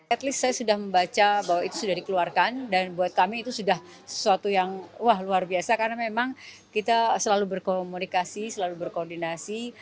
at least saya sudah membaca bahwa itu sudah dikeluarkan dan buat kami itu sudah sesuatu yang wah luar biasa karena memang kita selalu berkomunikasi selalu berkoordinasi